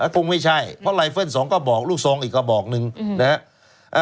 คงไม่ใช่เพราะไลเฟิลล์สองก็บอกลูกทรงอีกก็บอกนึงนะฮะ